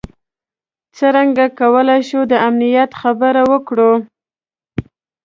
څرنګه کولای شو د امنیت خبره وکړو.